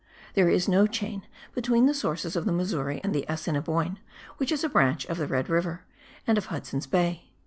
There is no chain between the sources of the Missouri and the Assineboine, which is a branch of the Red River and of Hudson's Bay.